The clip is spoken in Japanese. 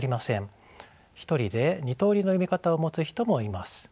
１人で２通りの読み方を持つ人もいます。